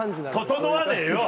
整わねえよ！